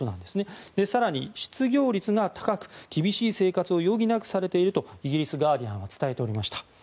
更に、失業率が高く厳しい生活を余儀なくされているとイギリス、ガーディアンは伝えておりました。